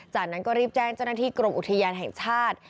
จากนั้นก็รีบแจ้งเจ้าหน้าที่กรมอุทยานแห่งชาติ